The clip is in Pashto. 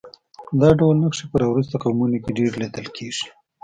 دا ډول نښې په راوروسته قومونو کې ډېرې لیدل کېږي